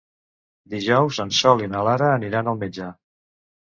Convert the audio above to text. Dijous en Sol i na Lara aniran al metge.